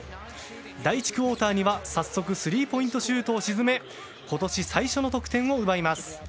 第１クオーターには早速スリーポイントシュートを沈め今年最初の得点を奪います。